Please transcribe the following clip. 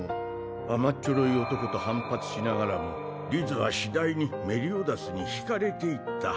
甘っちょろい男と反発しながらもリズは次第にメリオダスに惹かれていった。